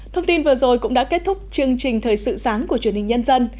thông tin vừa rồi cũng đã kết thúc chương trình thời sự sáng của truyền hình nhân dân